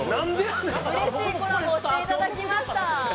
うれしいコラボをしていただきました。